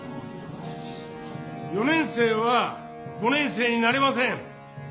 「４年生は５年生になれません。